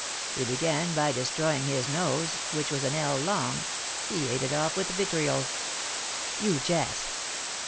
"He began by destroying his nose, which was an ell long; he ate it off with vitriol." "You jest."